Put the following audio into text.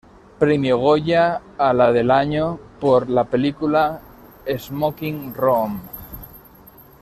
Premio Goya a la del año por la película "Smoking Room".